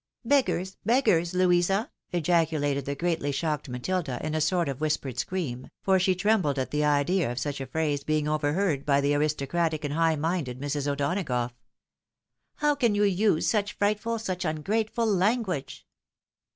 " Beggars ! beggars ! Louisa !" ejaculated the greatly shocked Matilda, in a sort of whispered scream, for she trembled at the idea of such a phrase being overheard by the aristocratic and high minded Mis. O'Donagough. " How can you use such frightful, such ungrateful language?